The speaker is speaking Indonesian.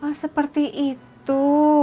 oh seperti itu